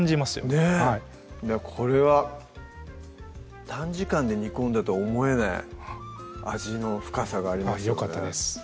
ねっこれは短時間で煮込んだとは思えない味の深さがありますよねよかったです